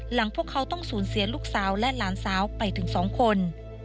พวกเขาต้องสูญเสียลูกสาวและหลานสาวไปถึง๒คน